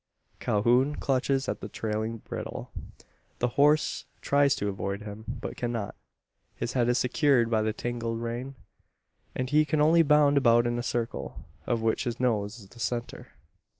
Calhoun clutches at the trailing bridle. The horse tries to avoid him, but cannot. His head is secured by the tangled rein; and he can only bound about in a circle, of which his nose is the centre.